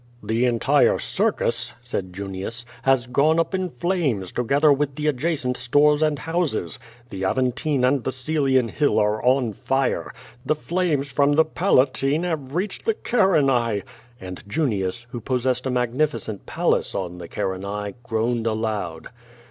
"The entire circus," said Junius, "has gone up in flames, to gether with the adjacent stores and houses. The Aventine and the Coelian llill are on fire. The flames from the Pala tine have reached the Carinae," and Junius, who possessed a magnificent palace on the Carinae, groaned aloud.